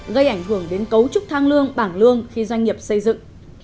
gây ảnh hưởng đến cấu trúc thang lương bảng lương khi doanh nghiệp xây dựng